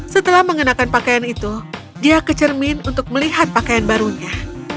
setelah mengenakan pakaian itu dia kecermin untuk melihat pakaian barunya